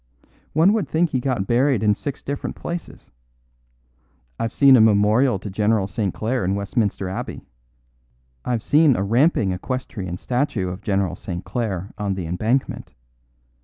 One would think he got buried in six different places. I've seen a memorial to General St. Clare in Westminster Abbey. I've seen a ramping equestrian statue of General St. Clare on the Embankment.